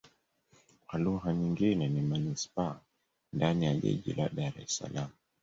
Kwa lugha nyingine ni manisipaa ndani ya jiji la Dar Es Salaam.